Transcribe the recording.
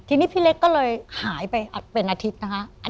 ทีนี้พี่เล็กก็เลยหายไปเป็นอาทิตย์นะคะ